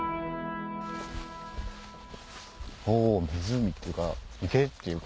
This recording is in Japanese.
お湖っていうか池っていうか。